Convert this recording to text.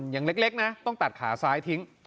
อย่างเล็กนะต้องตัดขาซ้ายทิ้ง